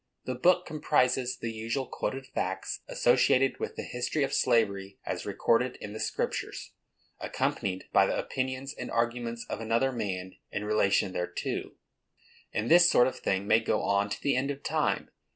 The book comprises the usually quoted facts associated with the history of slavery as recorded in the Scriptures, accompanied by the opinions and arguments of another man in relation thereto. And this sort of thing may go on to the end of time.